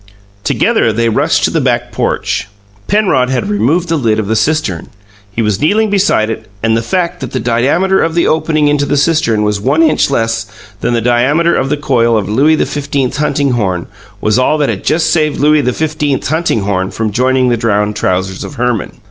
Together they rushed to the back porch. Penrod had removed the lid of the cistern; he was kneeling beside it, and the fact that the diameter of the opening into the cistern was one inch less than the diameter of the coil of Louis the Fifteenth's hunting horn was all that had just saved Louis the Fifteenth's hunting horn from joining the drowned trousers of Herman.